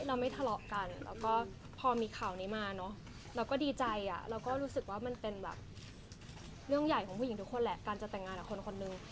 เราไม่ทะเลาะกันแล้วก็พอมีข่าวนี้มาเนอะเราก็ดีใจเราก็รู้สึกว่ามันเป็นแบบเรื่องใหญ่ของผู้หญิงทุกคนแหละการจะแต่งงานกับคนคนหนึ่ง